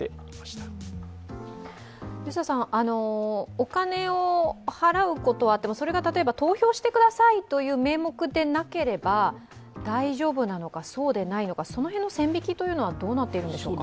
お金を払うことがあっても、それが例えば投票してくださいという名目でなければ大丈夫なのかそうでないのかその辺の線引きというのはどうなっているんでしょうか。